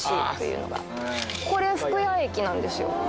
「これ深谷駅なんですよ」